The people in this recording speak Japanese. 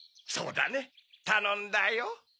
そうだねたのんだよ。